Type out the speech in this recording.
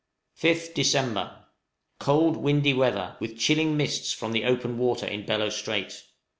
{DEC., 1858.} 5th Dec. Cold, windy weather, with chilling mists from the open water in Bellot Strait.